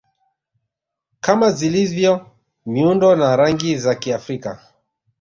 kama zilivyo miundo na rangi za Kiafrika